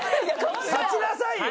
立ちなさいよ！